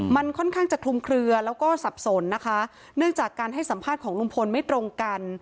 มันค่อนข้างจะคลุมเคลือแล้วก็สับสนนะคะเนื่องจากการให้สัมภาษณ์ของลุงพลไม่ตรงกัน